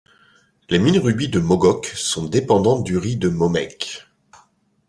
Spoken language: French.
Les mines de rubis de Mogok sont dépendantes du riz de Momeik.